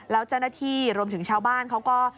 แล้วเจ้าหน้าที่รวมถึงชาวบ้านเขาก็